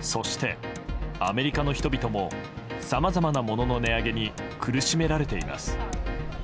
そして、アメリカの人々もさまざまなものの値上げに苦しめられています。